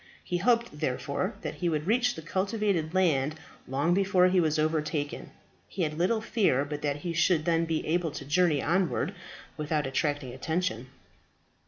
He hoped, therefore, that he would reach the cultivated land long before he was overtaken. He had little fear but that he should then be able to journey onward without attracting attention.